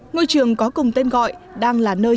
ngôi trường có cùng tên gọi đang là nơi